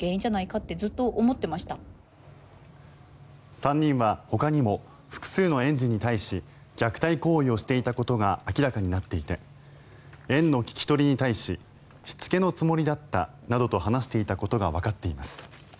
３人はほかにも複数の園児に対し虐待行為をしていたことが明らかになっていて園の聞き取りに対ししつけのつもりだったなどと話していたことがわかっています。